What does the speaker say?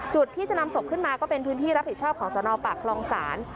จุดที่จะนำศพขึ้นมาก็เป็นพื้นที่รับผิดชอบของสนปากคลองศาล